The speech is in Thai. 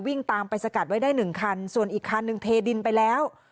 วิ่งตามไปสกัดไว้ได้หนึ่งคันส่วนอีกคันหนึ่งเทดินไปแล้ว